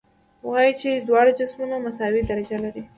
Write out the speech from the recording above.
وایو چې دواړه جسمونه مساوي درجه لري.